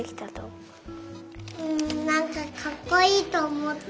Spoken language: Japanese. んなんかかっこいいとおもった。